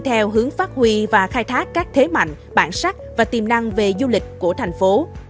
theo hướng phát huy và khai thác các thế mạnh bản sắc và tiềm năng về du lịch của thành phố